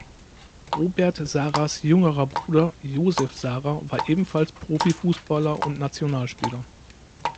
Robert Saras jüngerer Bruder Josef Sara war ebenfalls Profi-Fußballer und Nationalspieler.